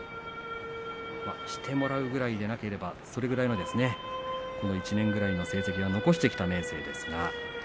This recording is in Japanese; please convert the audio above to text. してもらうくらいじゃないとそれくらいこの１年ぐらいの成績を残してきた明生です。